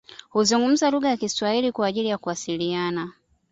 Huzungumza lugha ya kiswahili kwa ajili ya kuwasiliana